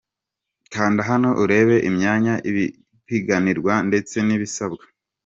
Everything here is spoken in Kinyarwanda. Kanda hano urebe imyanya ipiganirwa ndetse n’ibisabwa :.